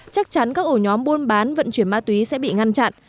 chắc chắn các ổ nhóm buôn bán vận chuyển ma túy sẽ bị ngăn chặn